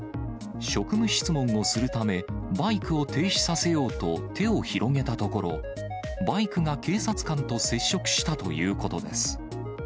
職務質問をするため、バイクを停止させようと手を広げたところ、バイクが警察官と接触したということです。